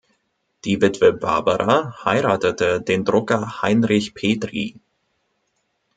Die Witwe Barbara heiratete den Drucker Heinrich Petri.